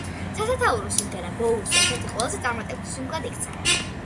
სასათაურო სიმღერა ბოუის ერთ-ერთ ყველაზე წარმატებულ სინგლად იქცა.